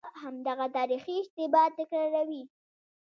همدغه تاریخي اشتباه تکراروي.